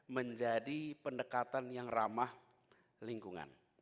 menjadi pendekatan yang ramah lingkungan